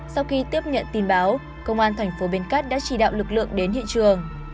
sau khi tiếp nhận tin báo công an thành phố bến cát đã chỉ đạo lực lượng đến hiện trường